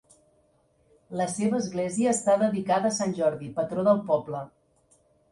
La seva església està dedicada a Sant Jordi, patró del poble.